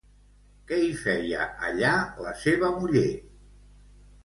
Què hi feia, allà, la seva muller?